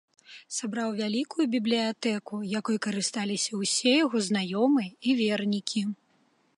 Сабраў вялікую бібліятэку, якой карысталіся ўсе яго знаёмыя і вернікі.